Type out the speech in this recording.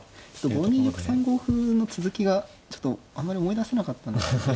５二玉３五歩の続きがちょっとあんまり思い出せなかった。